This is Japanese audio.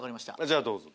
じゃあどうぞ。